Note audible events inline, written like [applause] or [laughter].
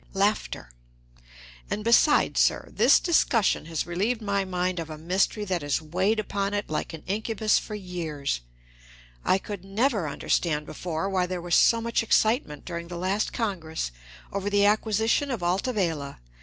[laughs] And besides, sir, this discussion has relieved my mind of a mystery that has weighed upon it like an incubus for years. I could never understand before why there was so much excitement during the last Congress over the acquisition of Alta Vela.